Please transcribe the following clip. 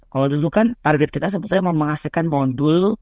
kalau dulu kan target kita sebetulnya menghasilkan modul